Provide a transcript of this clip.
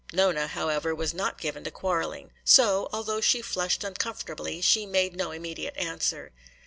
Nona, however, was not given to quarreling. So, although she flushed uncomfortably, she made no immediate answer.